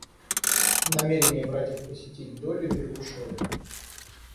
Намерение братьев посетить Долли в Ергушове.